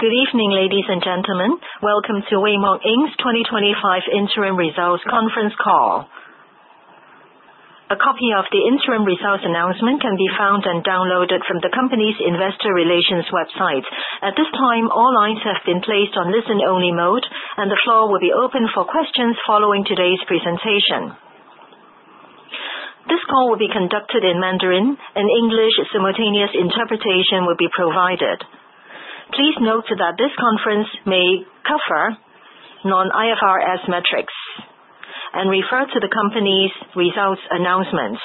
Good evening, ladies and gentlemen. Welcome to Weimob Inc.'s 2025 Interim Results Conference Call. A copy of the interim results announcement can be found and downloaded from the company's investor relations website. At this time, all lines have been placed on listen-only mode, and the floor will be open for questions following today's presentation. This call will be conducted in Mandarin and English. Simultaneous interpretation will be provided. Please note that this conference may cover non-IFRS metrics and refer to the company's results announcement.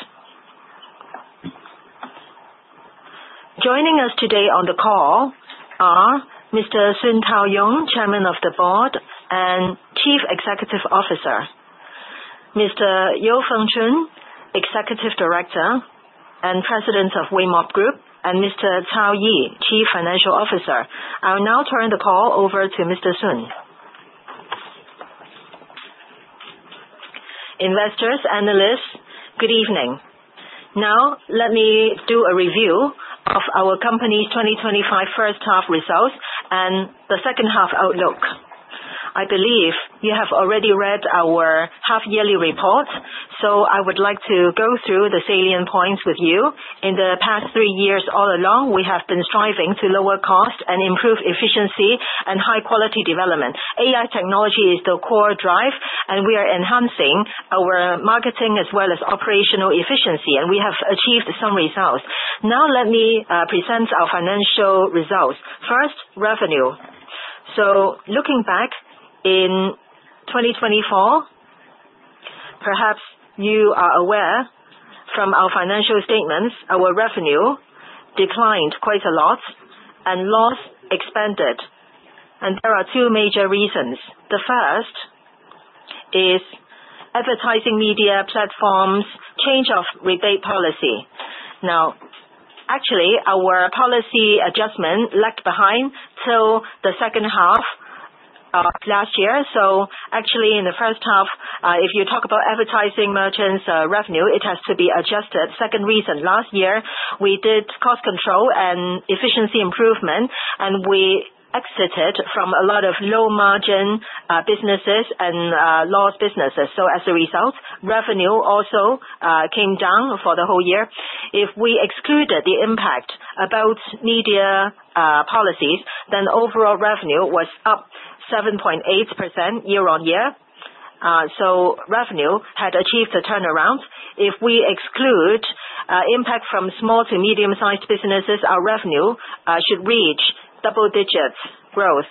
Joining us today on the call are Mr. Sun Taoyong, Chairman of the Board and Chief Executive Officer, Mr. Fengchun You, Executive Director and President of Weimob Group, and Mr. Cao Yi, Chief Financial Officer. I will now turn the call over to Mr. Sun. Investors, analysts, good evening. Now, let me do a review of our company's 2025 First Half Results and the Second Half Outlook. I believe you have already read our half-yearly report, so I would like to go through the salient points with you. In the past three years, all along, we have been striving to lower cost and improve efficiency and high-quality development. AI technology is the core drive, and we are enhancing our marketing as well as operational efficiency, and we have achieved some results. Now, let me present our financial results. First, revenue. Looking back in 2024, perhaps you are aware from our financial statements, our revenue declined quite a lot and loss expanded. There are two major reasons. The first is advertising media platforms' change of rebate policy. Actually, our policy adjustment lagged behind till the second half of last year. Actually, in the first half, if you talk about advertising merchants' revenue, it has to be adjusted. Second reason, last year, we did cost control and efficiency improvement, and we exited from a lot of low-margin businesses and lost businesses. As a result, revenue also came down for the whole year. If we excluded the impact about media policies, then overall revenue was up 7.8% year-on-year. Revenue had achieved a turnaround. If we exclude impact from small to medium-sized businesses, our revenue should reach double-digit growth.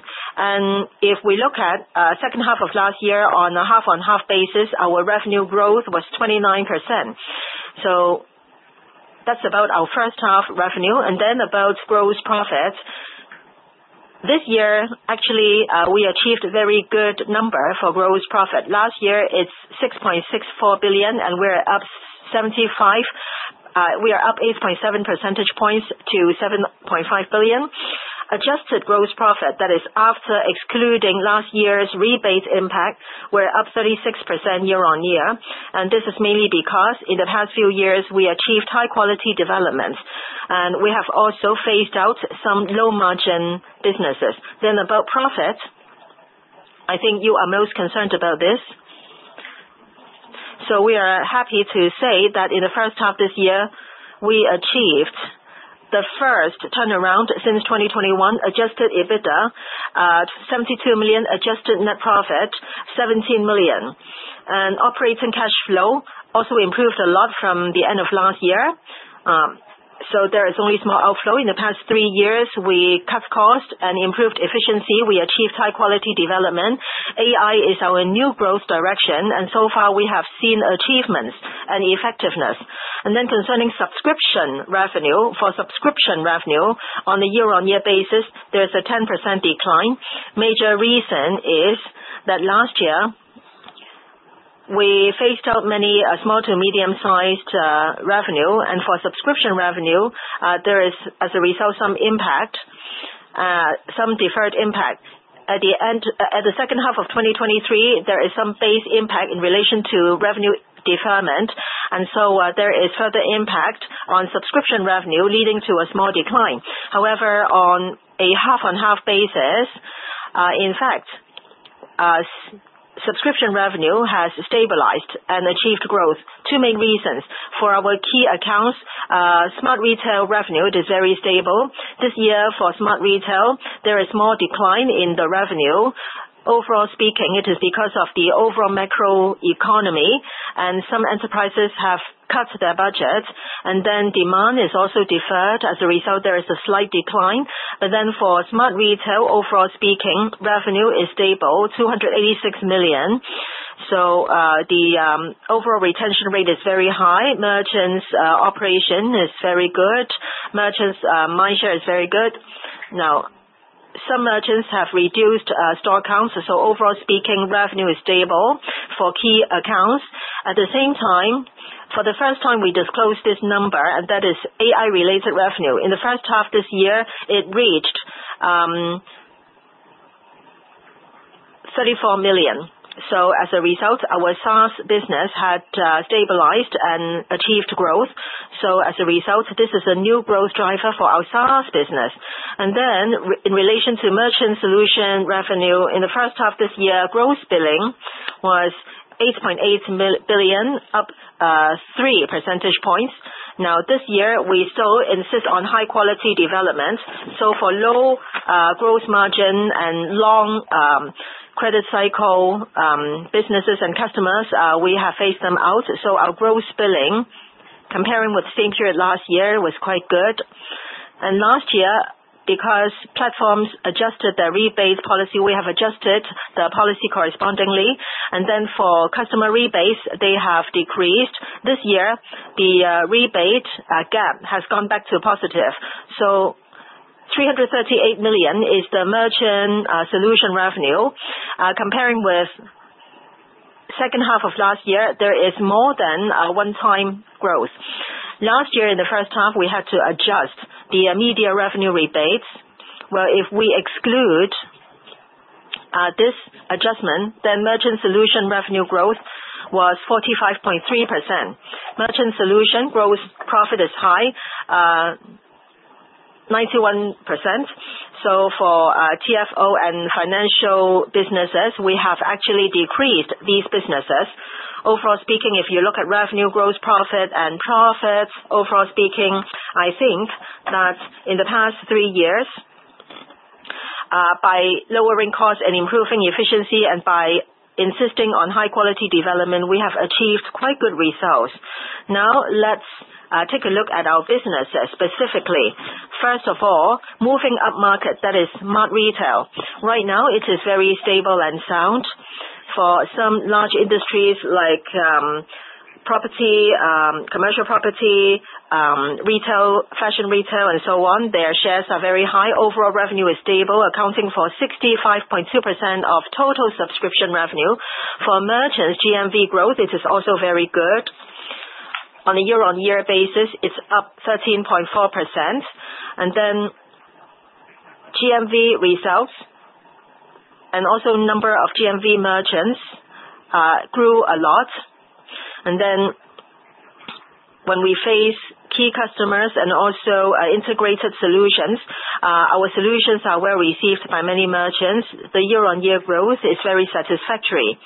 If we look at the second half of last year, on a half-on-half basis, our revenue growth was 29%. That's about our first half revenue. Then about gross profits, this year, actually, we achieved a very good number for gross profit. Last year, it's 6.64 billion, and we're up 75%. We are up 8.7 percentage points to 7.5 billion. Adjusted gross profit, that is, after excluding last year's rebate impact, we're up 36% year-on-year. This is mainly because, in the past few years, we achieved high-quality development, and we have also phased out some low-margin businesses. About profits, I think you are most concerned about this. We are happy to say that in the first half this year, we achieved the first turnaround since 2021, adjusted EBITDA at 72 million, adjusted net profit 17 million. Operating cash flow also improved a lot from the end of last year. There is only small outflow. In the past three years, we cut costs and improved efficiency. We achieved high-quality development. AI is our new growth direction, and so far, we have seen achievements and effectiveness. Concerning subscription revenue, for subscription revenue, on a year-on-year basis, there is a 10% decline. Major reason is that last year, we phased out many small to medium-sized revenues. For subscription revenue, there is, as a result, some impact, some deferred impact. At the end, at the second half of 2023, there is some phased impact in relation to revenue deferment. There is further impact on subscription revenue, leading to a small decline. However, on a half-on-half basis, in fact, subscription revenue has stabilized and achieved growth. Two main reasons. For our key accounts, Smart Retail revenue is very stable. This year, for Smart Retail, there is a small decline in the revenue. Overall speaking, it is because of the overall macro-economy, and some enterprises have cut their budgets, and then demand is also deferred. As a result, there is a slight decline. For Smart Retail, overall speaking, revenue is stable, 286 million. The overall retention rate is very high. Merchants' operation is very good. Merchants' mindshare is very good. Now, some merchants have reduced store counts. Overall speaking, revenue is stable for key accounts. At the same time, for the first time, we disclosed this number, and that is AI-related revenue. In the first half this year, it reached 34 million. As a result, our SaaS business had stabilized and achieved growth. This is a new growth driver for our SaaS business. In relation to merchant solution revenue, in the first half this year, gross billing was 8.8 billion, up 3 percentage points. Now, this year, we still insist on high-quality development. For low gross margin and long credit cycle businesses and customers, we have phased them out. Our gross billing, comparing with the same period last year, was quite good. Last year, because platforms adjusted their rebate policy, we have adjusted the policy correspondingly. For customer rebates, they have decreased. This year, the rebate gap has gone back to positive. 338 million is the merchant solution revenue. Comparing with the second half of last year, there is more than one-time growth. Last year, in the first half, we had to adjust the media revenue rebates. If we exclude this adjustment, then merchant solution revenue growth was 45.3%. Merchant solution gross profit is high, 91%. For TFO and financial businesses, we have actually decreased these businesses. Overall speaking, if you look at revenue, gross profit, and profits, overall speaking, I think that in the past three years, by lowering costs and improving efficiency, and by insisting on high-quality development, we have achieved quite good results. Now, let's take a look at our businesses specifically. First of all, moving up market, that is Smart retail. Right now, it is very stable and sound. For some large industries like property, commercial property, retail, fashion retail, and so on, their shares are very high. Overall revenue is stable, accounting for 65.2% of total subscription revenue. For merchants, GMV growth, it is also very good. On a year-on-year basis, it's up 13.4%. GMV results and also the number of GMV merchants grew a lot. When we face key customers and also integrated solutions, our solutions are well received by many merchants. The year-on-year growth is very satisfactory.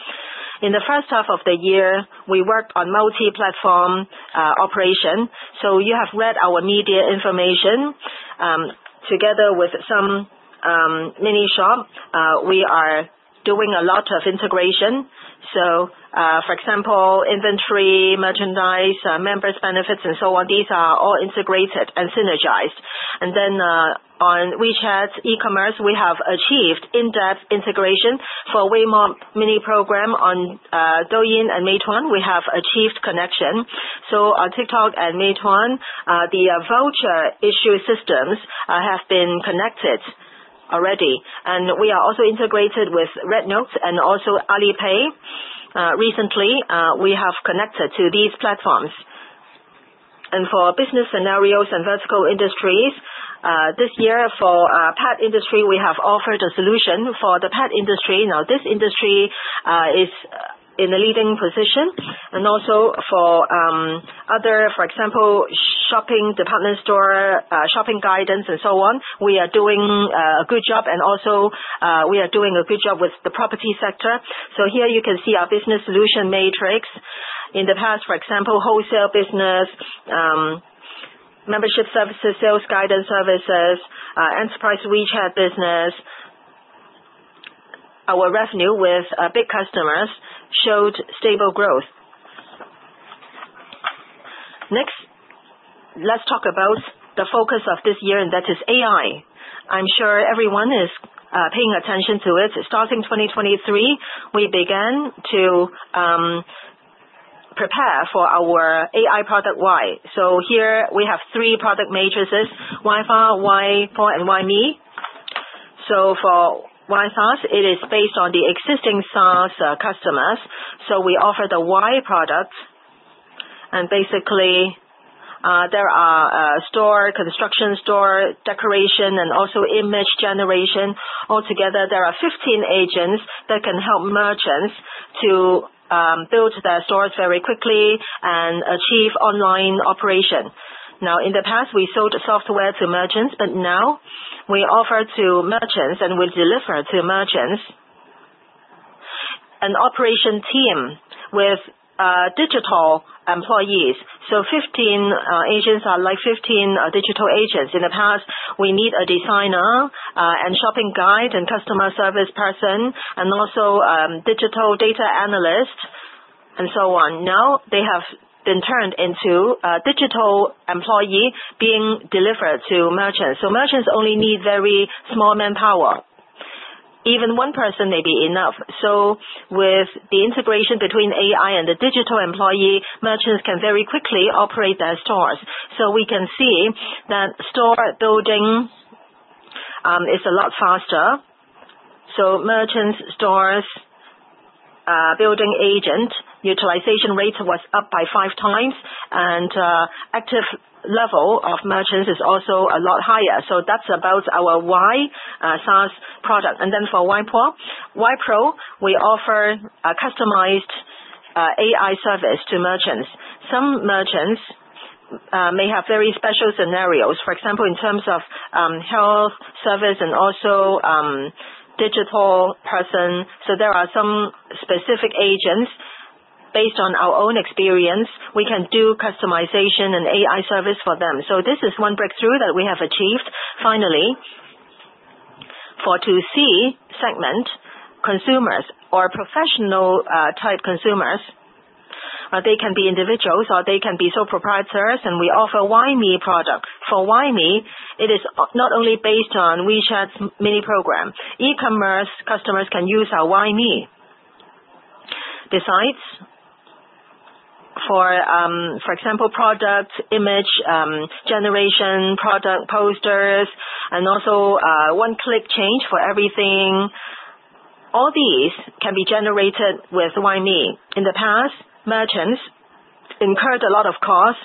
In the first half of the year, we worked on multi-platform operation. You have read our media information. Together with some mini shops, we are doing a lot of integration. For example, inventory, merchandise, member's benefits, and so on, these are all integrated and synergized. On WeChat's e-commerce, we have achieved in-depth integration. For Weimob mini program on Douyin and Meituan, we have achieved connection. On TikTok and Meituan, the voucher issue systems have been connected already. We are also integrated with RedNote and also Alipay recently. We have connected to these platforms. For business scenarios and vertical industries, this year, for the pet industry, we have offered a solution for the pet industry. Now, this industry is in a leading position. Also, for other, for example, shopping department stores, shopping guidance, and so on, we are doing a good job. We are doing a good job with the property sector. Here you can see our business solution matrix. In the past, for example, wholesale business, membership services, sales guidance services, enterprise WeChat business, our revenue with big customers showed stable growth. Next, let's talk about the focus of this year, and that is AI. I'm sure everyone is paying attention to it. Starting 2023, we began to prepare for our AI product WAI. Here we have three product matrices: WAI SaaS, WAI Pro, and WIME. For Y SaaS, it is based on the existing SaaS customers. We offer the WAI product. Basically, there are store, construction store, decoration, and also image generation. Altogether, there are 15 agents that can help merchants to build their stores very quickly and achieve online operation. In the past, we sold software to merchants, but now we offer to merchants and we deliver to merchants an operation team with digital employees. 15 agents are like 15 digital agents. In the past, we need a designer and shopping guide and customer service person, and also a digital data analyst, and so on. Now, they have been turned into a digital employee being delivered to merchants. Merchants only need very small manpower. Even one person may be enough. With the integration between AI and the digital employee, merchants can very quickly operate their stores. We can see that store building is a lot faster. Merchants, stores, building agents, utilization rate was up by five times, and the active level of merchants is also a lot higher. That's about our WAI SaaS product. For WAI Pro, we offer a customized AI service to merchants. Some merchants may have very special scenarios, for example, in terms of health, service, and also a digital person. There are some specific agents, based on our own experience, we can do customization and AI service for them. This is one breakthrough that we have achieved. Finally, for the 2C segment, consumers or professional-type consumers, they can be individuals or they can be sole proprietors, and we offer WIME products. For WIME, it is not only based on WeChat's mini program. E-commerce customers can use our WIME designs for, for example, product image generation, product posters, and also one-click change for everything. All these can be generated with WIME. In the past, merchants incurred a lot of costs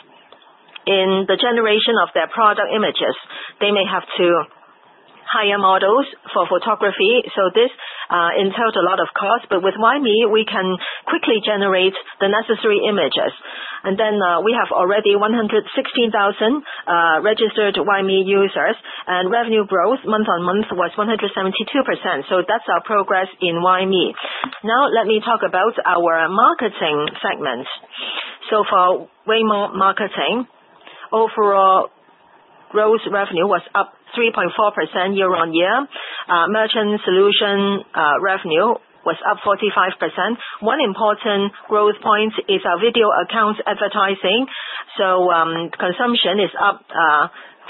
in the generation of their product images. They may have to hire models for photography. This entails a lot of costs. With WIME, we can quickly generate the necessary images. We have already 116,000 registered WIME users, and revenue growth month-on-month was 172%. That's our progress in WIME. Now, let me talk about our marketing segments. For Weimob marketing, overall gross revenue was up 3.4% year-on-year. Merchant solution revenue was up 45%. One important growth point is our video accounts advertising. Consumption is up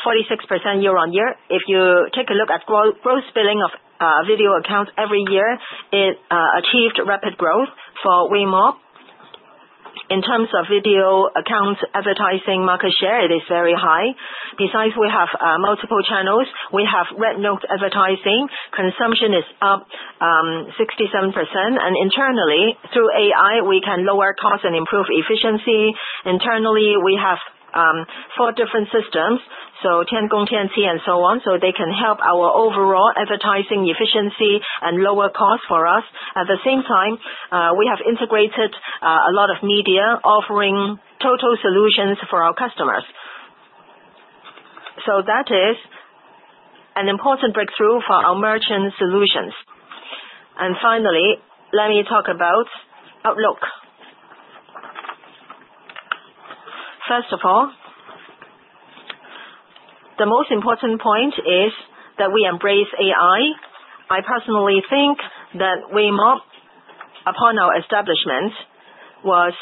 46% year-on-year. If you take a look at gross billing of video accounts every year, it achieved rapid growth for Weimob. In terms of video accounts advertising market share, it is very high. Besides, we have multiple channels. We have RedNote advertising. Consumption is up 67%. Internally, through AI, we can lower costs and improve efficiency. Internally, we have four different systems, Tiangong, Tencent, and so on. They can help our overall advertising efficiency and lower costs for us. At the same time, we have integrated a lot of media, offering total solutions for our customers. That is an important breakthrough for our merchant solutions. Finally, let me talk about outlook. First of all, the most important point is that we embrace AI. I personally think that Weimob, upon our establishment, was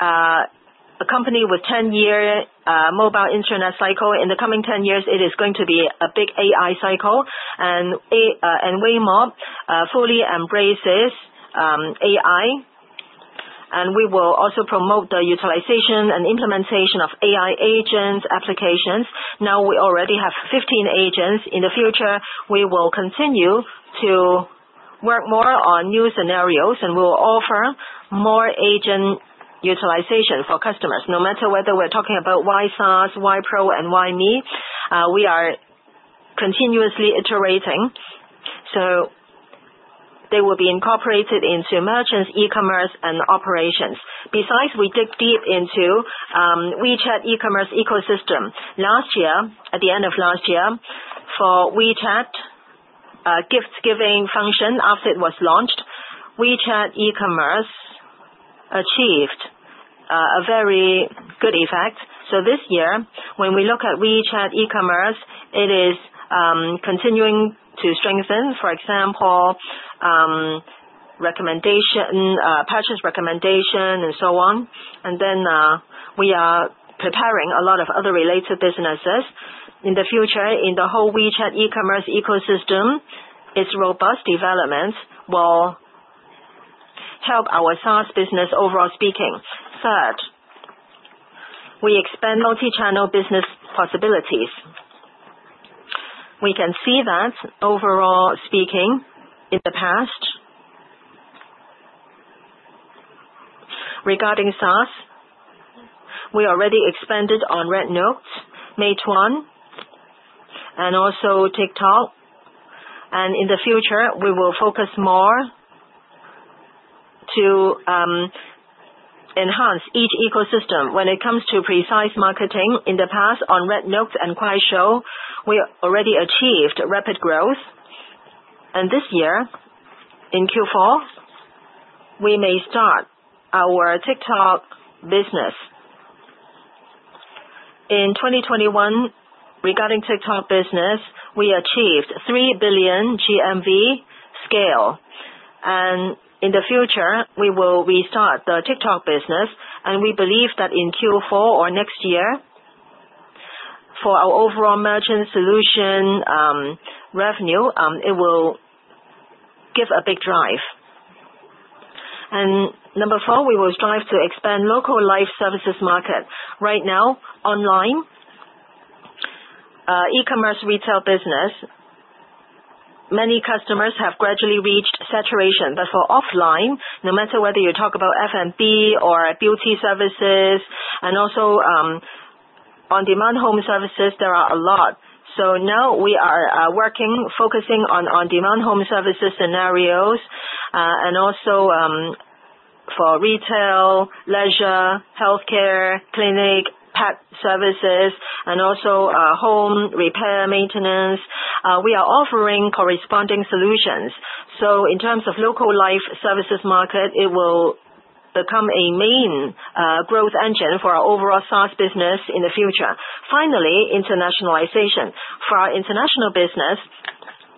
a company with a 10-year mobile internet cycle. In the coming 10 years, it is going to be a big AI cycle. Weimob fully embraces AI. We will also promote the utilization and implementation of AI agent applications. Now, we already have 15 agents. In the future, we will continue to work more on new scenarios, and we will offer more agent utilization for customers. No matter whether we're talking about WAI SaaS, WAI Pro, and WIME, we are continuously iterating. They will be incorporated into merchants, e-commerce, and operations. Besides, we dig deep into WeChat e-commerce ecosystem. At the end of last year, for WeChat gift-giving function, after it was launched, WeChat e-commerce achieved a very good effect. This year, when we look at WeChat e-commerce, it is continuing to strengthen, for example, recommendation, purchase recommendation, and so on. We are preparing a lot of other related businesses. In the future, in the whole WeChat e-commerce ecosystem, its robust developments will help our SaaS business, overall speaking. Third, we expand multi-channel business possibilities. We can see that, overall speaking, in the past regarding SaaS, we already expanded on RedNote, Meituan, and also TikTok. In the future, we will focus more to enhance each ecosystem. When it comes to precise marketing, in the past, on RedNote and Kuaishou, we already achieved rapid growth. This year, in Q4, we may start our TikTok business. In 2021, regarding TikTok business, we achieved 3 billion GMV scale. In the future, we will restart the TikTok business. We believe that in Q4 or next year, for our overall merchant solution revenue, it will give a big drive. Number four, we will strive to expand local life services markets. Right now, online e-commerce retail business, many customers have gradually reached saturation. For offline, no matter whether you talk about F&B or beauty services, and also on-demand home services, there are a lot. We are working, focusing on on-demand home services scenarios, and also for retail, leisure, healthcare, clinic, pet services, and also home repair, maintenance. We are offering corresponding solutions. In terms of local life services market, it will become a main growth engine for our overall SaaS business in the future. Finally, internationalization. For our international business,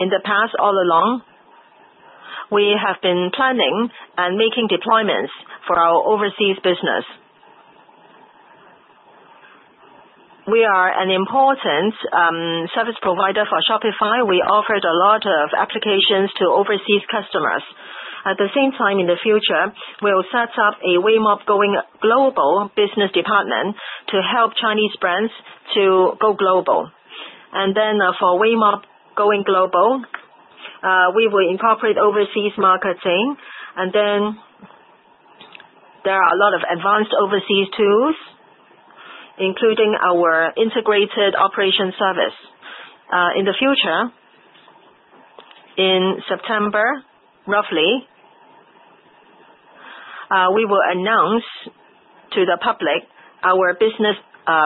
in the past, all along, we have been planning and making deployments for our overseas business. We are an important service provider for Shopify. We offered a lot of applications to overseas customers. At the same time, in the future, we'll set up a Weimob Going Global business department to help Chinese brands to go global. For Weimob Going Global, we will incorporate overseas marketing. There are a lot of advanced overseas tools, including our integrated operations service. In the future, in September, roughly, we will announce to the public our business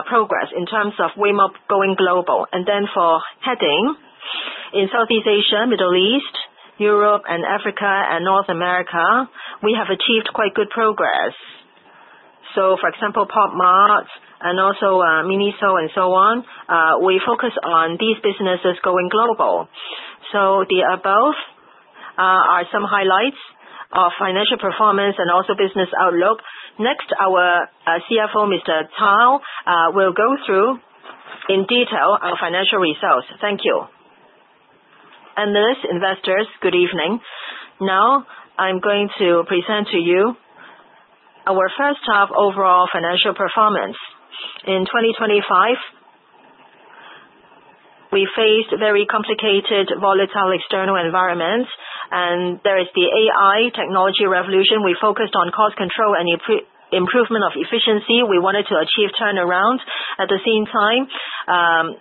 progress in terms of Weimob Going Global. For heading in Southeast Asia, Middle East, Europe, and Africa, and North America, we have achieved quite good progress. For example, Pop Mart and also Miniso and so on, we focus on these businesses going global. The above are some highlights of financial performance and also business outlook. Next, our CFO, Mr. Cao, will go through in detail our financial results. Thank you. Listeners, investors, good evening. Now, I'm going to present to you our first half overall financial performance. In 2025, we faced very complicated, volatile external environments. There is the AI technology revolution. We focused on cost control and improvement of efficiency. We wanted to achieve turnaround. At the same time, in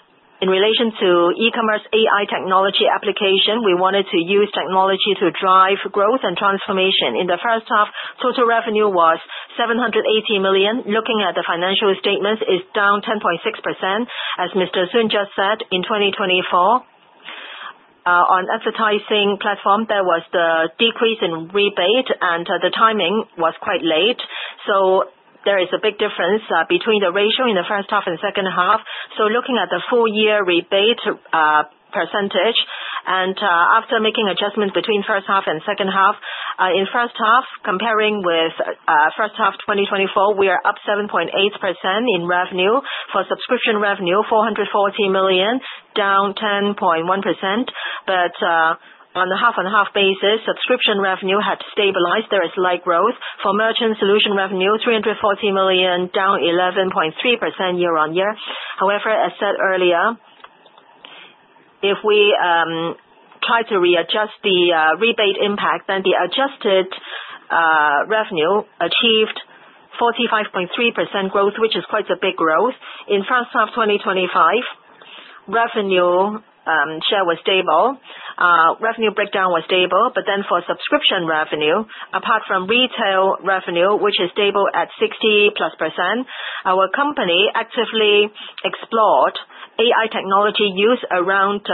relation to e-commerce AI technology application, we wanted to use technology to drive growth and transformation. In the first half, total revenue was 780 million. Looking at the financial statements, it's down 10.6%. As Mr. Sun just said, in 2024, on advertising platform, there was the decrease in rebate, and the timing was quite late. There is a big difference between the ratio in the first half and second half. Looking at the full year rebate percentage, and after making adjustments between first half and second half, in the first half, comparing with the first half of 2024, we are up 7.8% in revenue. For subscription revenue, 440 million, down 10.1%. On a half-on-half basis, subscription revenue had stabilized. There is light growth. For merchant solution revenue, 340 million, down 11.3% year-on-year. However, as said earlier, if we try to readjust the rebate impact, then the adjusted revenue achieved 45.3% growth, which is quite a big growth. In the first half of 2025, revenue share was stable. Revenue breakdown was stable. For subscription revenue, apart from retail revenue, which is stable at 60+%, our company actively explored AI technology use around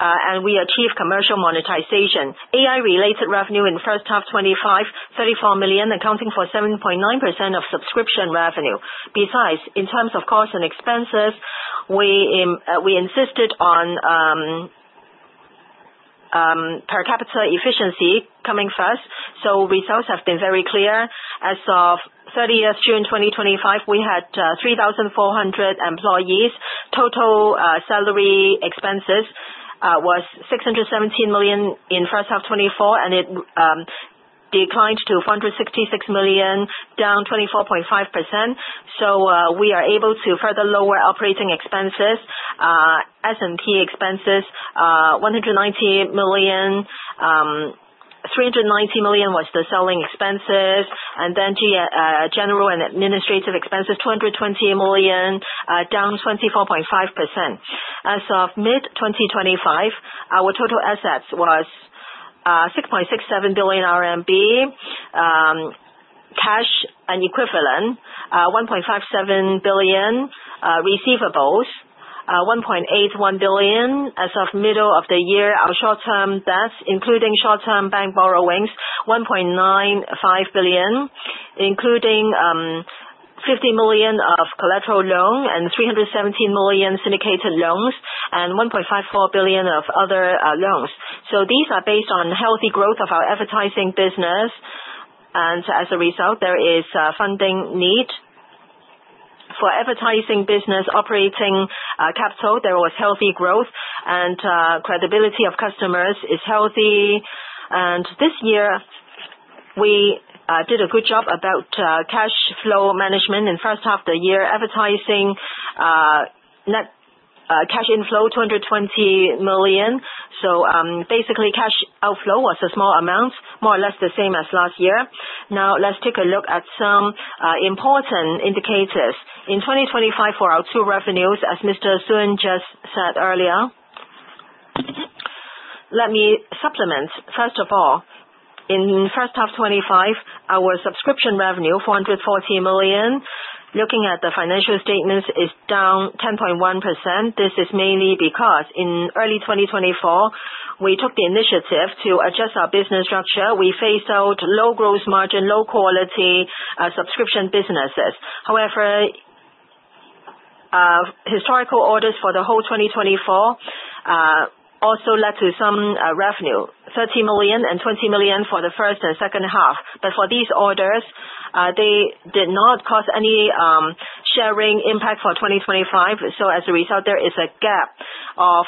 e-commerce. We achieved commercial monetization. AI-related revenue in the first half of 2025, 34 million, accounting for 7.9% of subscription revenue. Besides, in terms of costs and expenses, we insisted on per capita efficiency coming first. Results have been very clear. As of June 30, 2025, we had 3,400 employees. Total salary expenses were 617 million in the first half of 2024, and it declined to 466 million, down 24.5%. We are able to further lower operating expenses. S&T expenses, 190 million, 390 million was the selling expenses. General and administrative expenses, 220 million, down 24.5%. As of mid-2025, our total assets were 6.67 billion RMB, cash and equivalent, 1.57 billion, receivables, 1.81 billion. As of middle of the year, our short-term debts, including short-term bank borrowings, 1.95 billion, including 50 million of collateral loans and 317 million syndicated loans, and 1.54 billion of other loans. These are based on healthy growth of our advertising business. As a result, there is a funding need for advertising business operating capital. There was healthy growth, and credibility of customers is healthy. This year, we did a good job about cash flow management in the first half of the year. Advertising net cash inflow, 220 million. Basically, cash outflow was a small amount, more or less the same as last year. Now, let's take a look at some important indicators. In 2025, for our two revenues, as Mr. Sun just said earlier, let me supplement. First of all, in the first half of 2025, our subscription revenue, 440 million. Looking at the financial statements, it's down 10.1%. This is mainly because in early 2024, we took the initiative to adjust our business structure. We phased out low gross margin, low quality subscription businesses. However, historical orders for the whole 2024 also led to some revenue, 30 million and 20 million for the first and second half. For these orders, they did not cause any sharing impact for 2025. As a result, there is a gap of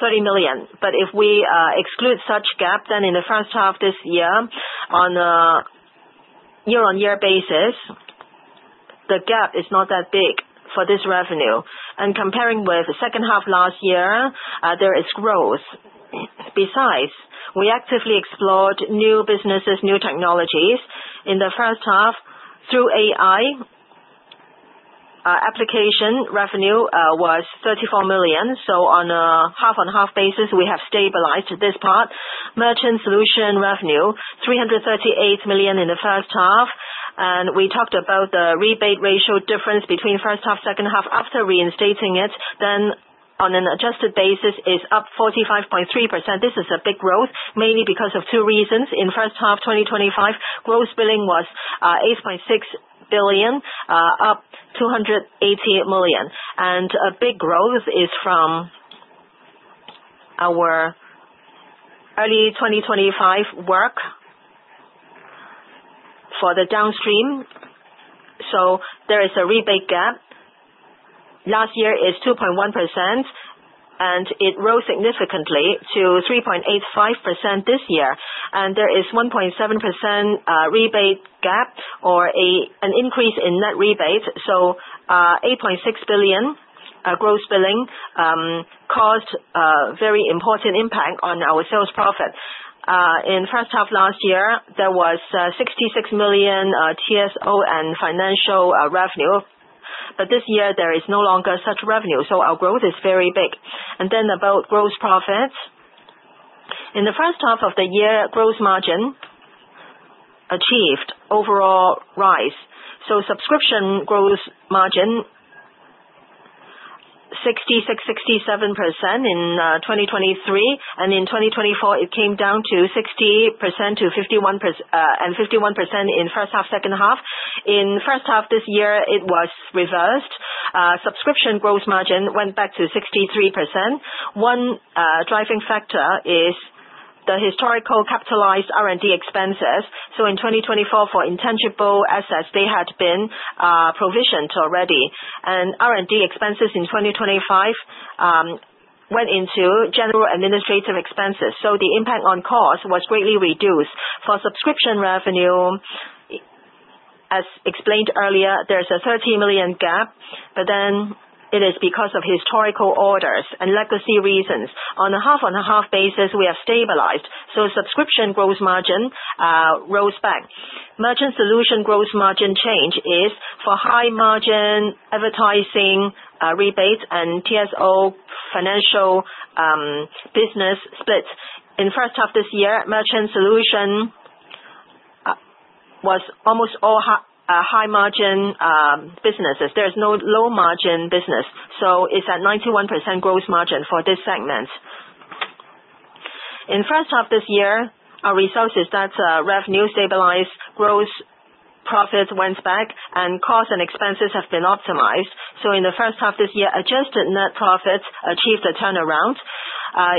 30 million. If we exclude such gap, then in the first half of this year, on a year-on-year basis, the gap is not that big for this revenue. Comparing with the second half last year, there is growth. Besides, we actively explored new businesses, new technologies. In the first half, through AI, application revenue was 34 million. On a half-on-half basis, we have stabilized this part. Merchant solution revenue, 338 million in the first half. We talked about the rebate ratio difference between the first half and second half after reinstating it. On an adjusted basis, it's up 45.3%. This is a big growth, mainly because of two reasons. In the first half of 2025, gross billing was 8.6 billion, up 280 million. A big growth is from our early 2025 work for the downstream. There is a rebate gap. Last year, it's 2.1%, and it rose significantly to 3.85% this year. There is a 1.7% rebate gap or an increase in net rebate. 8.6 billion gross billing caused a very important impact on our sales profit. In the first half last year, there was 66 million TSO and financial revenue. This year, there is no longer such revenue. Our growth is very big. About gross profits, in the first half of the year, gross margin achieved overall rise. Subscription gross margin, 66%, 67% in 2023. In 2024, it came down to 60% to 51% in the first half and second half. In the first half this year, it was reversed. Subscription gross margin went back to 63%. One driving factor is the historical capitalized R&D expenses. In 2024, for intangible assets, they had been provisioned already. R&D expenses in 2025 went into general administrative expenses. The impact on costs was greatly reduced. For subscription revenue, as explained earlier, there's a 30 million gap. It is because of historical orders and legacy reasons. On a half-on-half basis, we have stabilized. Subscription gross margin rose back. Merchant Solution gross margin change is for high margin advertising rebates and TSO financial business splits. In the first half of this year, merchant solution was almost all high margin businesses. There is no low margin business. It's at 91% gross margin for this segment. In the first half of this year, our results are that revenue stabilized, gross profit went back, and costs and expenses have been optimized. In the first half of this year, adjusted net profits achieved a turnaround.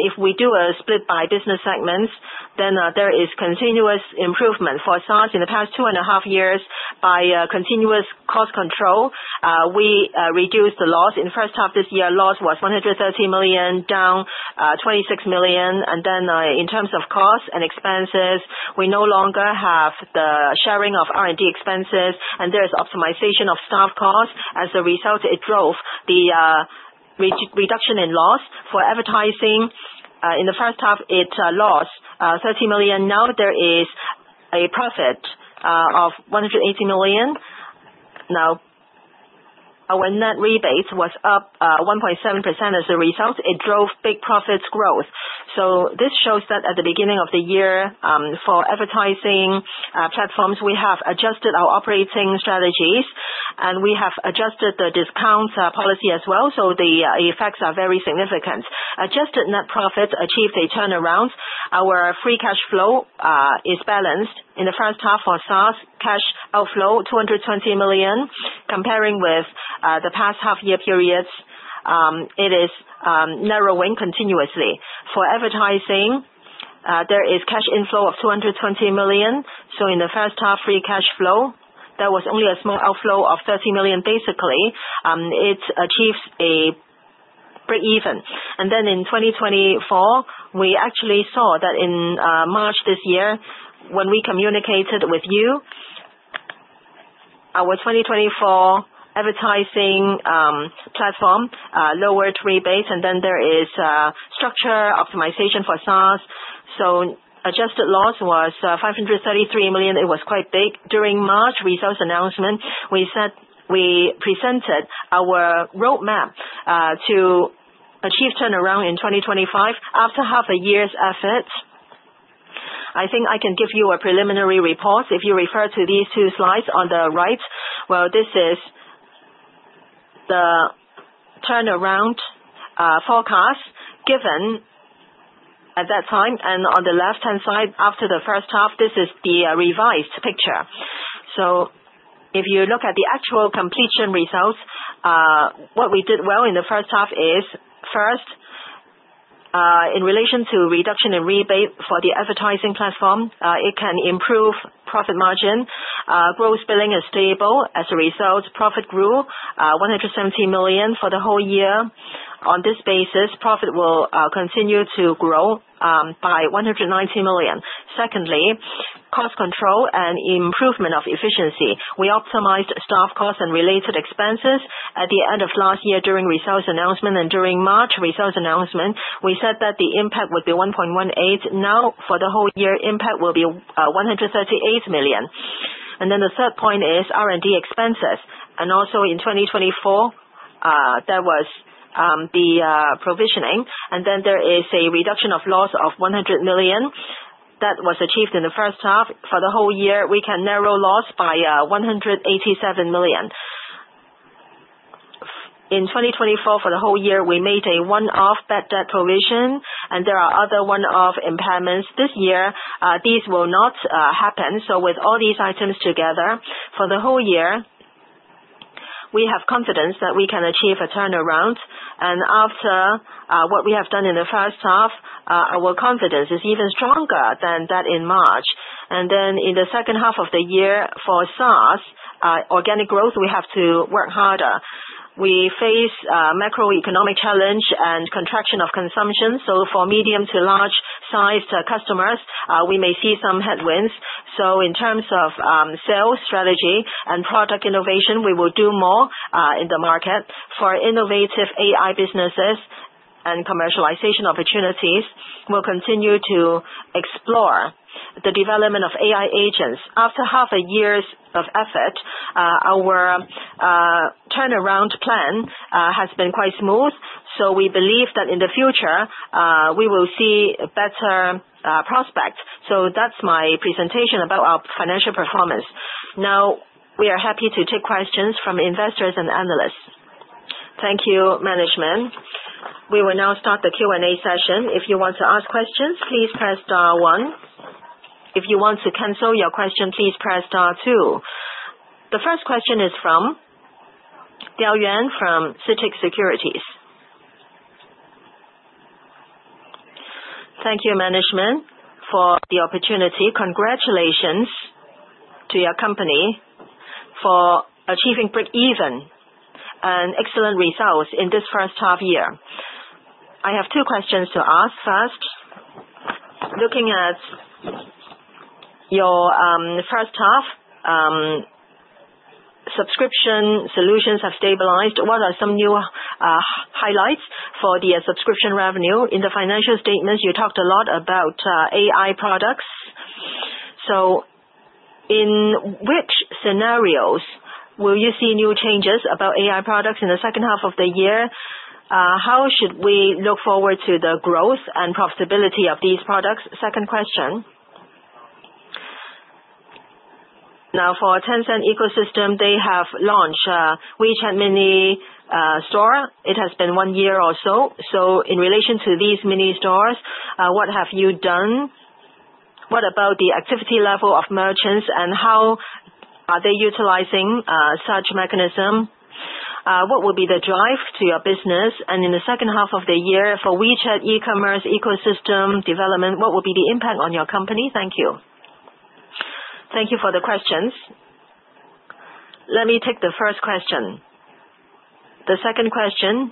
If we do a split by business segments, there is continuous improvement. For SaaS, in the past two and a half years, by continuous cost control, we reduced the loss. In the first half of this year, loss was 130 million, down 26 million. In terms of costs and expenses, we no longer have the sharing of R&D expenses, and there is optimization of staff costs. As a result, it drove the reduction in loss. For advertising, in the first half, it lost 30 million. Now, there is a profit of 180 million. Our net rebate was up 1.7%. As a result, it drove big profits growth. This shows that at the beginning of the year, for advertising platforms, we have adjusted our operating strategies, and we have adjusted the discount policy as well. The effects are very significant. Adjusted net profits achieved a turnaround. Our free cash flow is balanced. In the first half for SaaS, cash outflow 220 million. Comparing with the past half-year periods, it is narrowing continuously. For advertising, there is cash inflow of 220 million. In the first half, free cash flow, there was only a small outflow of 30 million. Basically, it achieves a break-even. In 2024, we actually saw that in March this year, when we communicated with you, our 2024 advertising platform lowered rebates. There is structure optimization for SaaS. Adjusted loss was 533 million. It was quite big. During March results announcement, we said we presented our roadmap to achieve turnaround in 2025 after half a year's efforts. I think I can give you a preliminary report if you refer to these two slides on the right. This is the turnaround forecast given at that time. On the left-hand side, after the first half, this is the revised picture. If you look at the actual completion results, what we did well in the first half is, first, in relation to reduction in rebate for the advertising platform, it can improve profit margin. Gross billing is stable. As a result, profit grew 170 million for the whole year. On this basis, profit will continue to grow by 190 million. Secondly, cost control and improvement of efficiency. We optimized staff costs and related expenses. At the end of last year, during results announcement and during March results announcement, we said that the impact would be 1.18 billion. Now, for the whole year, impact will be 138 million. The third point is R&D expenses. Also, in 2024, there was the provisioning. There is a reduction of loss of 100 million that was achieved in the first half. For the whole year, we can narrow loss by 187 million. In 2024, for the whole year, we made a one-off bad debt provision, and there are other one-off impairments this year. These will not happen. With all these items together, for the whole year, we have confidence that we can achieve a turnaround. After what we have done in the first half, our confidence is even stronger than that in March. In the second half of the year, for SaaS, organic growth, we have to work harder. We face macro-economic challenge and contraction of consumption. For medium to large-sized customers, we may see some headwinds. In terms of sales strategy and product innovation, we will do more in the market. For innovative AI businesses and commercialization opportunities, we'll continue to explore the development of AI agents. After half a year's effort, our turnaround plan has been quite smooth. We believe that in the future, we will see better prospects. So, that's my presentation about our financial performance. Now, we are happy to take questions from investors and analysts. Thank you, management. We will now start the Q&A session. If you want to ask questions, please press star. If you want to cancel your question, please press star two. The first question is from Ye Yuan from CITIC Securities. Thank you, management, for the opportunity. Congratulations to your company for achieving break-even and excellent results in this first half year. I have two questions to ask. First, looking at your first half, subscription solutions have stabilized. What are some new highlights for the subscription revenue? In the financial statements, you talked a lot about AI products. In which scenarios will you see new changes about AI products in the second half of the year? How should we look forward to the growth and profitability of these products? Second question. Now, for Tencent ecosystem, they have launched WeChat Mini Store. It has been one year or so. In relation to these mini stores, what have you done? What about the activity level of merchants? How are they utilizing such mechanisms? What will be the drive to your business? In the second half of the year, for WeChat e-commerce ecosystem development, what will be the impact on your company? Thank you. Thank you for the questions. Let me take the first question. The second question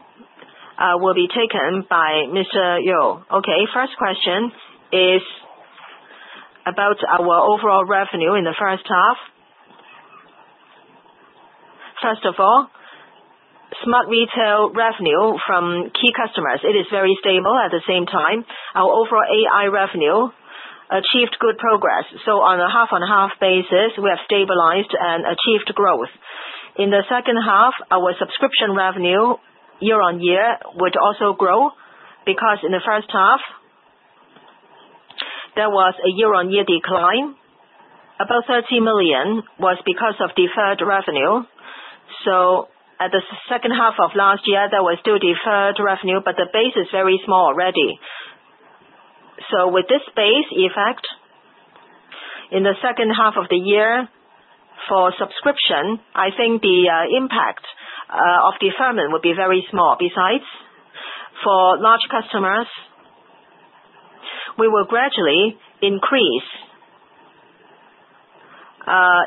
will be taken by Mr. You. Okay, first question is about our overall revenue in the first half. First of all, Smart Retail revenue from key customers, it is very stable. At the same time, our overall AI revenue achieved good progress. On a half-on-half basis, we have stabilized and achieved growth. In the second half, our subscription revenue year-on-year would also grow because in the first half, there was a year-on-year decline. About 30 million was because of deferred revenue. At the second half of last year, there was still deferred revenue, but the base is very small already. With this base effect, in the second half of the year for subscription, I think the impact of deferment would be very small. Besides, for large customers, we will gradually increase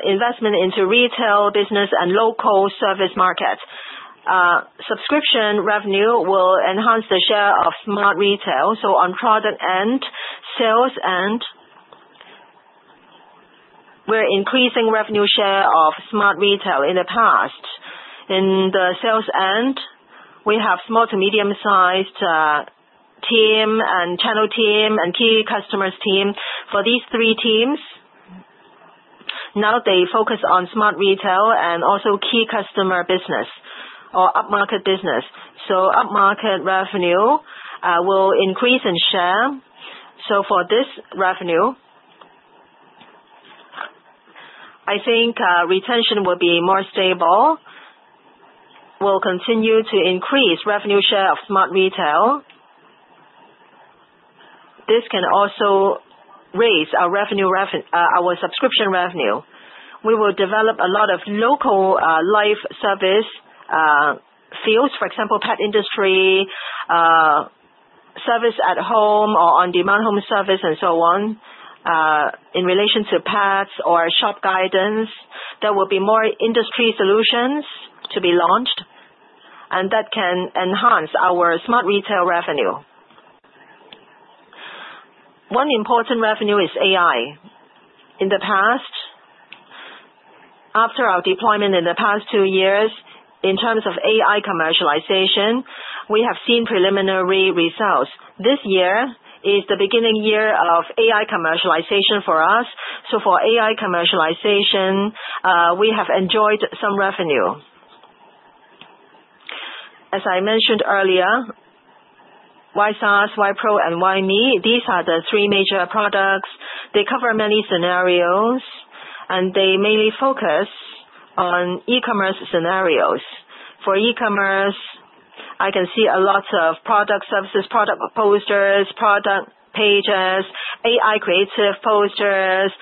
investment into retail business and local service markets. Subscription revenue will enhance the share of Smart Retail. On product end, sales end, we're increasing revenue share of Smart Retail. In the past, in the sales end, we have small to medium-sized team and channel team and key customers team. For these three teams, now they focus on Smart Retail and also key customer business or upmarket business. Upmarket revenue will increase in share. For this revenue, I think retention will be more stable. We'll continue to increase revenue share of Smart Retail. This can also raise our subscription revenue. We will develop a lot of local life service fields, for example, pet industry, service at home, or on-demand home service, and so on. In relation to pets or shop guidance, there will be more industry solutions to be launched, and that can enhance our Smart Retail revenue. One important revenue is AI. In the past, after our deployment in the past two years, in terms of AI commercialization, we have seen preliminary results. This year is the beginning year of AI commercialization for us. For AI commercialization, we have enjoyed some revenue. As I mentioned earlier, WAI SaaS, WAI Pro, and WIME, these are the three major products. They cover many scenarios, and they mainly focus on e-commerce scenarios. For e-commerce, I can see a lot of product services, product posters, product pages, AI creative posters,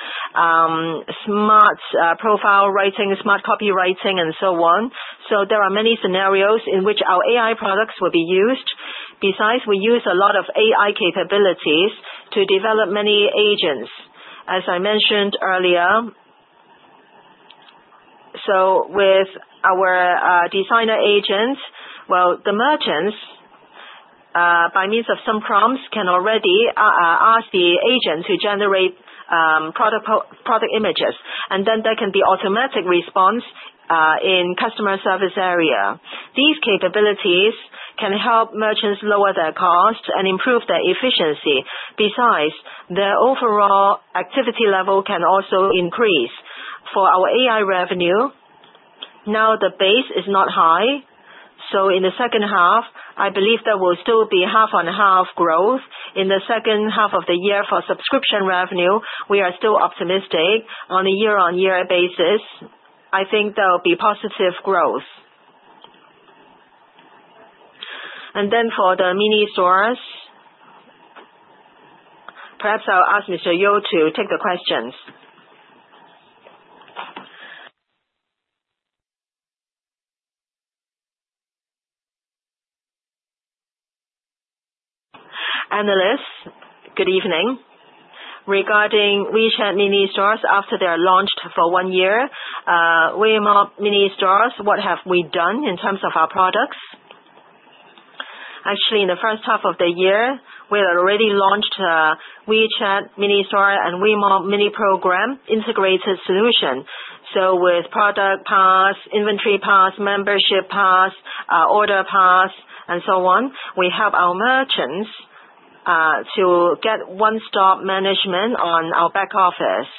Smart profile writing, Smart copywriting, and so on. There are many scenarios in which our AI products will be used. Besides, we use a lot of AI capabilities to develop many agents, as I mentioned earlier. With our designer agents, the merchants, by means of some prompts, can already ask the agent to generate product images. There can be automatic response in the customer service area. These capabilities can help merchants lower their costs and improve their efficiency. Besides, the overall activity level can also increase. For our AI revenue, now the base is not high. In the second half, I believe there will still be half-on-half growth. In the second half of the year for subscription revenue, we are still optimistic. On a year-on-year basis, I think there will be positive growth. For the mini stores, perhaps I'll ask Mr. You to take the questions. Analysts, good evening. Regarding WeChat mini stores after they're launched for one year, Weimob mini stores, what have we done in terms of our products? Actually, in the first half of the year, we've already launched a WeChat mini store and Weimob mini program integrated solution. With product pass, inventory pass, membership pass, order pass, and so on, we help our merchants to get one-stop management on our back office.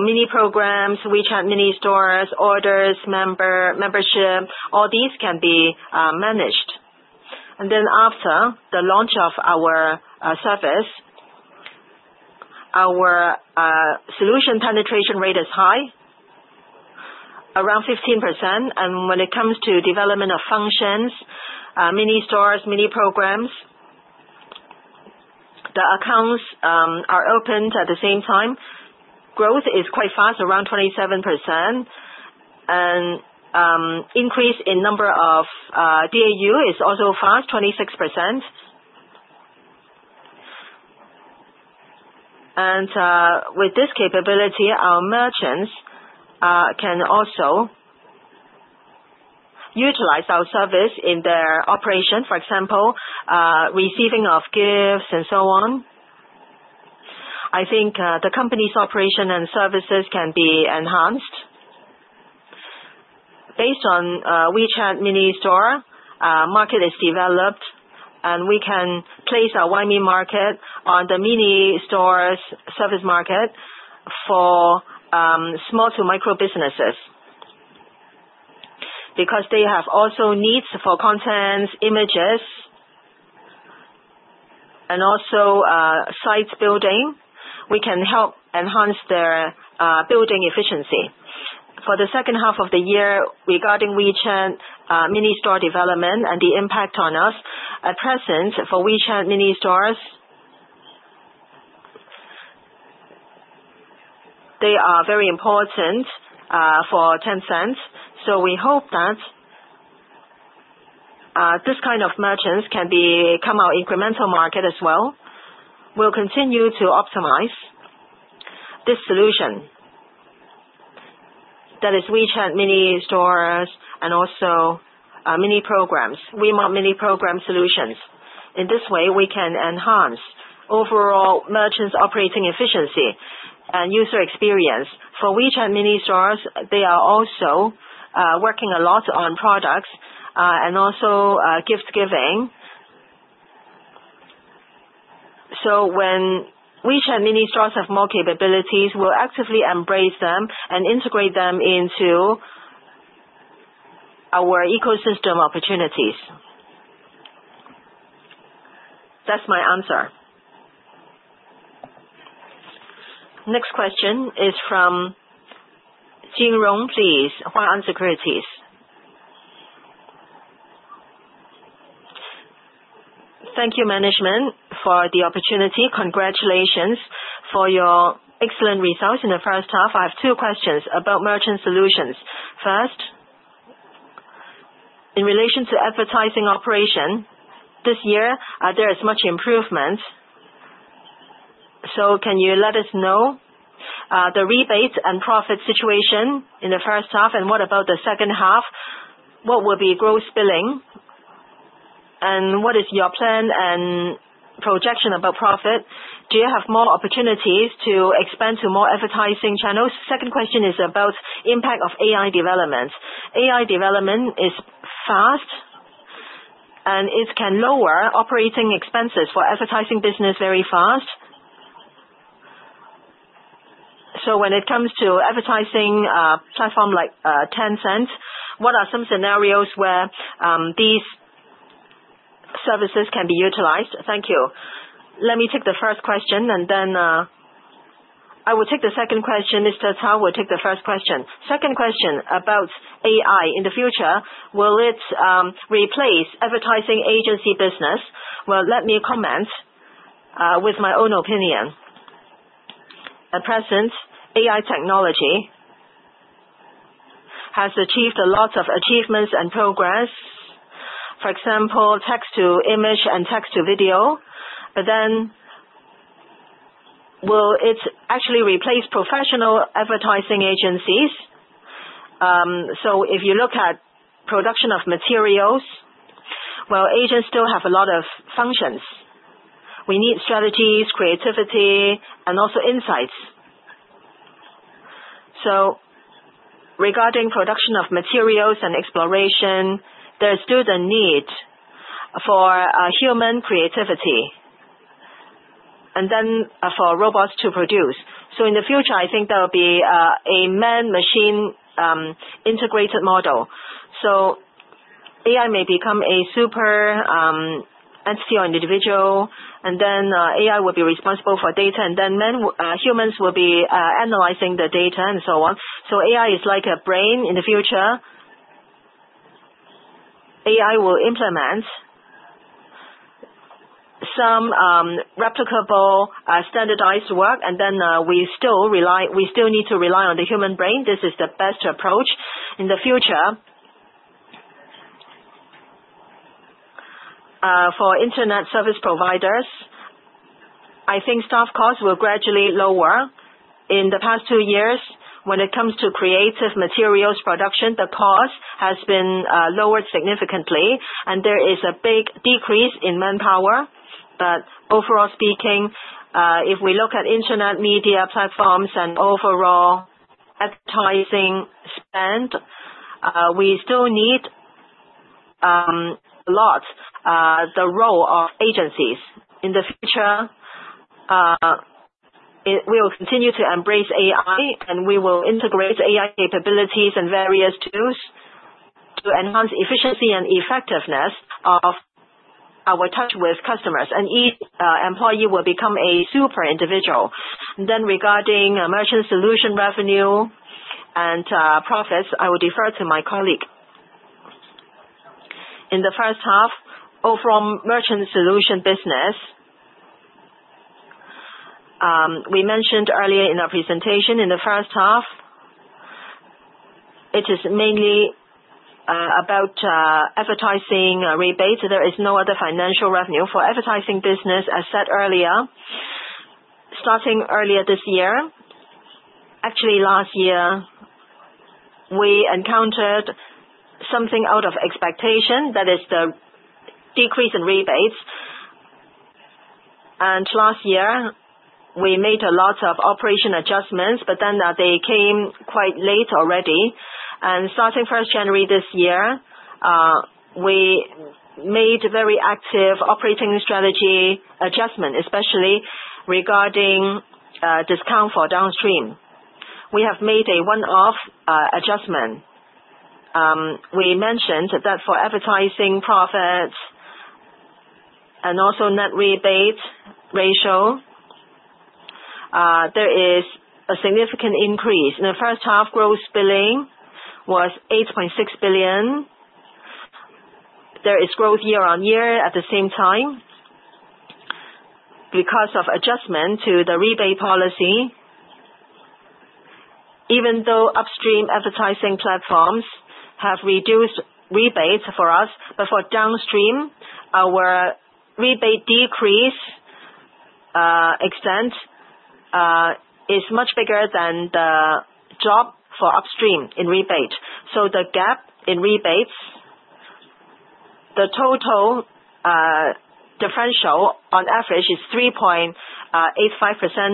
Mini programs, WeChat mini stores, orders, membership, all these can be managed. After the launch of our service, our solution penetration rate is high, around 15%. When it comes to development of functions, mini stores, mini programs, the accounts are opened at the same time. Growth is quite fast, around 27%. Increase in number of DAU is also fast, 26%. With this capability, our merchants can also utilize our service in their operation, for example, receiving of gifts and so on. I think the company's operation and services can be enhanced. Based on WeChat mini store, market is developed, and we can place our WIME market on the mini stores' service market for small to micro businesses. Because they also have needs for content, images, and also site building, we can help enhance their building efficiency. For the second half of the year, regarding WeChat mini store development and the impact on us, at present, for WeChat mini stores, they are very important for Tencent. We hope that this kind of merchants can become our incremental market as well. We'll continue to optimize this solution. That is WeChat mini stores and also mini programs, Weimob mini program solutions. In this way, we can enhance overall merchants' operating efficiency and user experience. For WeChat mini stores, they are also working a lot on products and also gift-giving. When WeChat mini stores have more capabilities, we'll actively embrace them and integrate them into our ecosystem opportunities. That's my answer. Next question is from Jin Rong, please. Huaan Securities. Thank you, management, for the opportunity. Congratulations for your excellent results in the first half. I have two questions about Merchant Solutions. First, in relation to advertising operation, this year, there is much improvement. Can you let us know the rebate and profit situation in the first half? What about the second half? What will be gross billing? What is your plan and projection about profit? Do you have more opportunities to expand to more advertising channels? Second question is about the impact of AI development. AI development is fast, and it can lower operating expenses for advertising business very fast. When it comes to advertising platforms like Tencent, what are some scenarios where these services can be utilized? Thank you. Let me take the first question, and then I will take the second question. Mr. Cao will take the first question. Second question about AI. In the future, will it replace advertising agency business? I will comment with my own opinion. At present, AI technology has achieved a lot of achievements and progress. For example, text-to-image and text-to-video. Will it actually replace professional advertising agencies? If you look at production of materials, agents still have a lot of functions. We need strategies, creativity, and also insights. Regarding production of materials and exploration, there is still the need for human creativity and for robots to produce. In the future, I think there will be a man-machine integrated model. AI may become a super entity or individual, and AI will be responsible for data, and humans will be analyzing the data and so on. AI is like a brain in the future. AI will implement some replicable standardized work, and we still need to rely on the human brain. This is the best approach in the future. For internet service providers, I think staff costs will gradually lower. In the past two years, when it comes to creative materials production, the cost has been lowered significantly, and there is a big decrease in manpower. Overall speaking, if we look at internet media platforms and overall advertising spend, we still need a lot. The role of agencies in the future, we will continue to embrace AI, and we will integrate AI capabilities and various tools to enhance efficiency and effectiveness of our touch with customers. Each employee will become a super individual. Regarding merchant solution revenue and profits, I will defer to my colleague. In the first half, from merchant solution business, we mentioned earlier in our presentation, in the first half, it is mainly about advertising rebates. There is no other financial revenue for advertising business, as said earlier. Starting earlier this year, actually, last year, we encountered something out of expectation. That is the decrease in rebates. Last year, we made a lot of operation adjustments, but they came quite late already. Starting January 1 this year, we made very active operating strategy adjustment, especially regarding discount for downstream. We have made a one-off adjustment. We mentioned that for advertising profits and also net rebate ratio, there is a significant increase. In the first half, gross billing was 8.6 billion. There is growth year on year at the same time because of adjustment to the rebate policy. Even though upstream advertising platforms have reduced rebates for us, for downstream, our rebate decrease extent is much bigger than the drop for upstream in rebate. The gap in rebates, the total differential on average is 3.85%.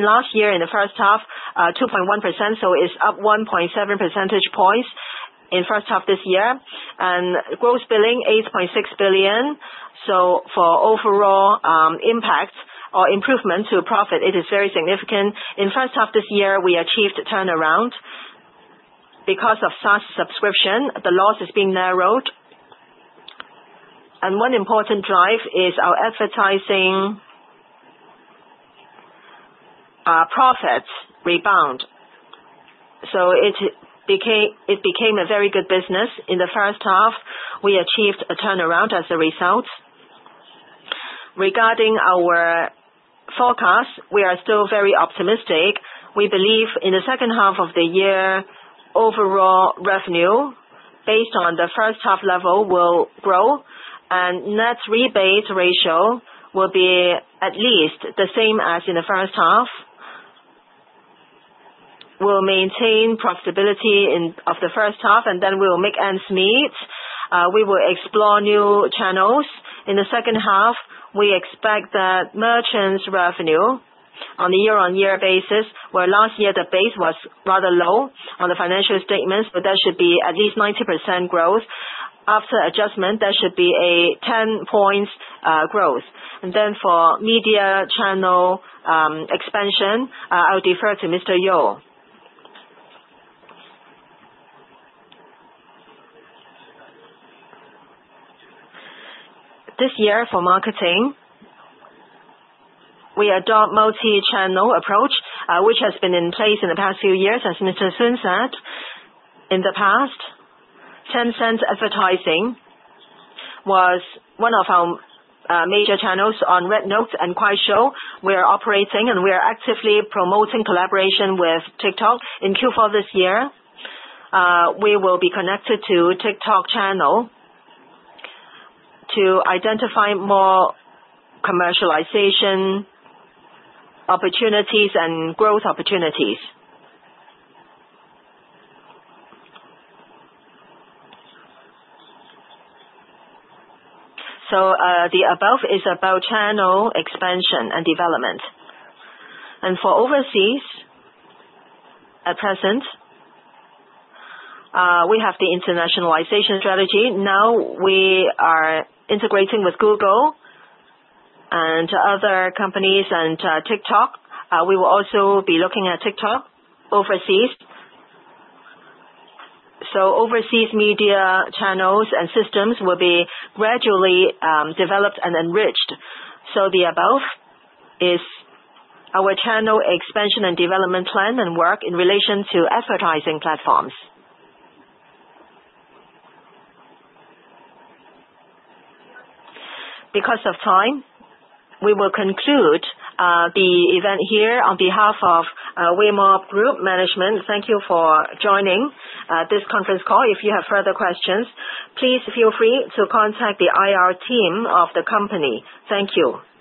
Last year, in the first half, 2.1%. It is up 1.7 percentage points in the first half this year. Gross billing 8.6 billion. For overall impact or improvement to profit, it is very significant. In the first half this year, we achieved turnaround because of SaaS subscription. The loss has been narrowed. One important drive is our advertising profits rebound. It became a very good business. In the first half, we achieved a turnaround as a result. Regarding our forecast, we are still very optimistic. We believe in the second half of the year, overall revenue based on the first half level will grow, and net rebate ratio will be at least the same as in the first half. We'll maintain profitability of the first half, and then we'll make ends meet. We will explore new channels. In the second half, we expect that merchants' revenue on a year-on-year basis, where last year the base was rather low on the financial statements, but there should be at least 90% growth. After adjustment, there should be a 10% points growth. For media channel expansion, I'll defer to Mr. You. This year, for marketing, we adopt a multi-channel approach, which has been in place in the past few years, as Mr. Sun said. In the past, Tencent's advertising was one of our major channels on RedNote and Kuaishou. We are operating, and we are actively promoting collaboration with TikTok in Q4 this year. We will be connected to TikTok channel to identify more commercialization opportunities and growth opportunities. The above is about channel expansion and development. For overseas, at present, we have the internationalization strategy. Now, we are integrating with Google and other companies and TikTok. We will also be looking at TikTok overseas. Overseas media channels and systems will be gradually developed and enriched. The above is our channel expansion and development plan and work in relation to advertising platforms. Because of time, we will conclude the event here. On behalf of Weimob Group Management, thank you for joining this conference call. If you have further questions, please feel free to contact the IR team of the company. Thank you.